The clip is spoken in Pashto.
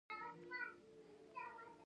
عامو خلکو ته بلنه ورکړل شوه.